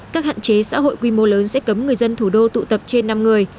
các hạn chế xã hội quy mô lớn sẽ cấm người dân thủ đô tụ tập trên năm người